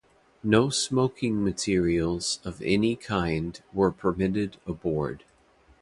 No smoking materials of any kind were permitted aboard.